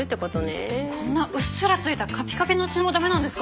こんなうっすら付いたカピカピの血も駄目なんですか？